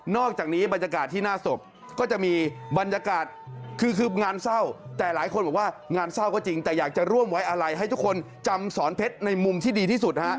อกจากนี้บรรยากาศที่หน้าศพก็จะมีบรรยากาศคืองานเศร้าแต่หลายคนบอกว่างานเศร้าก็จริงแต่อยากจะร่วมไว้อะไรให้ทุกคนจำสอนเพชรในมุมที่ดีที่สุดฮะ